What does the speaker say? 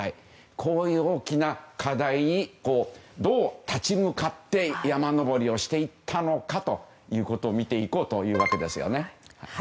こういう大きな課題にどう立ち向かって山登りをしていったのかを見ていこうというわけですね。